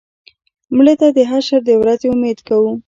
مړه ته د حشر د ورځې امید کوو